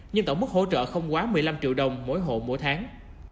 nhưng tổng mức hỗ trợ không quá một mươi năm triệu đồng mỗi hộ mỗi tháng